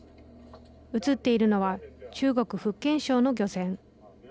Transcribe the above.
映っているのは中国・福建省の漁船。